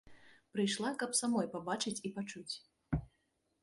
Прыйшла, каб самой пабачыць і пачуць.